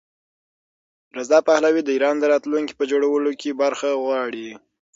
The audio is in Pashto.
رضا پهلوي د ایران د راتلونکي په جوړولو کې برخه غواړي.